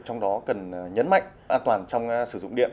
trong đó cần nhấn mạnh an toàn trong sử dụng điện